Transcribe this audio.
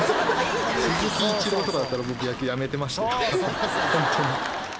鈴木一朗とかだったら僕、野球辞めてました、本当に。